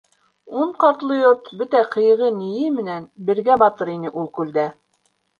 Ун ҡатлы йорт бөтә ҡыйығы-ние менән бергә батыр ине ул күлдә.